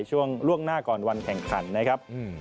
ช่วงล่วงหน้าก่อนวันแข่งขันนะครับ